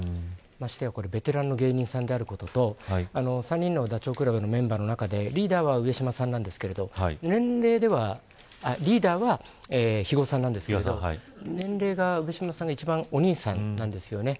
ましてやベテランの芸人さんであることと３人のダチョウ倶楽部のメンバーの中でリーダーは上島さんなんですがリーダーは肥後さんなんですけど年齢は上島さんが一番お兄さんなんですよね。